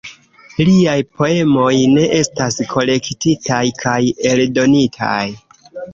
Liaj poemoj ne estas kolektitaj kaj eldonitaj.